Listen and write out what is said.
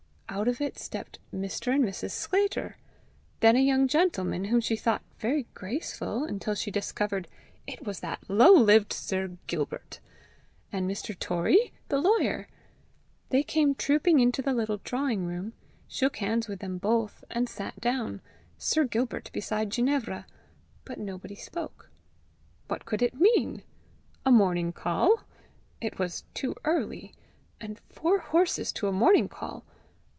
Out of it stepped Mr. and Mrs. Sclater! then a young gentleman, whom she thought very graceful until she discovered it was that low lived Sir Gilbert! and Mr. Torrie, the lawyer! They came trooping into the little drawing room, shook hands with them both, and sat down, Sir Gilbert beside Ginevra but nobody spoke. What could it mean! A morning call? It was too early. And four horses to a morning call!